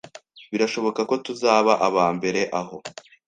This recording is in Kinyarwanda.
Birashoboka ko tuzaba abambere aho.